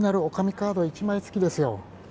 カード１枚付きですよ。